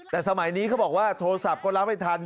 แต่สมัยนี้เขาบอกว่าโทรศัพท์ก็รับไม่ทัน